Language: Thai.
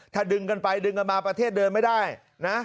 ถ้าดึงกันไปดึงกันมาประเทศเดินไม่ได้นะ